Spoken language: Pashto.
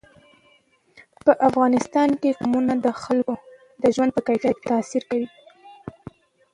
په افغانستان کې قومونه د خلکو د ژوند په کیفیت تاثیر کوي.